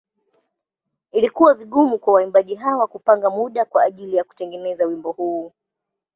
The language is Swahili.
Ilikuwa vigumu kwa waimbaji hawa kupanga muda kwa ajili ya kutengeneza wimbo huu.